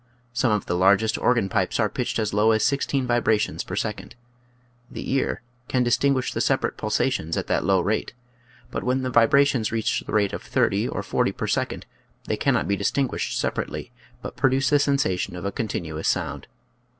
Some of the largest organ pipes are pitched as low as sixteen vibrations per second. The ear can distinguish the separate pulsations at that low rate, but when the vibrations reach the rate of thirty or forty per second they cannot be distinguished sepa rately, but produce the sensation of a con tinuous sound.